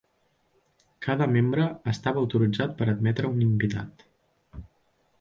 Cada membre estava autoritzat per admetre un invitat.